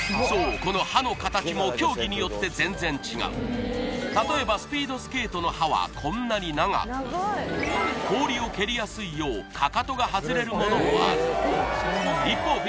そうこの刃の形も競技によって全然違う例えばスピードスケートの刃はこんなに長く氷を蹴りやすいようかかとが外れるものもある一方